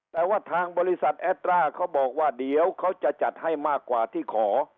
แต่ว่าทางบริษัทแอดร่าเขาบอกว่าเดี๋ยวเขาจะจัดให้มากกว่าที่ขอ